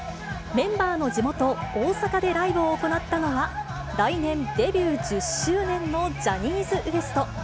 メンバーの地元、大阪でライブを行ったのは、来年、デビュー１０周年のジャニーズＷＥＳＴ。